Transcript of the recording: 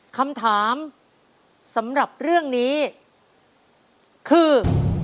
คำถามสำหรับเรื่องนี้คือ